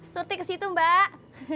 surti kesitu mbak